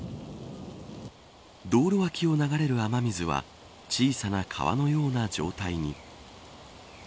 道路脇を流れる雨水は小さな川のような状態に。